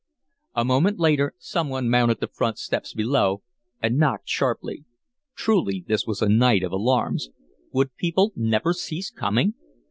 A moment later some one mounted the front steps below and knocked sharply. Truly this was a night of alarms. Would people never cease coming?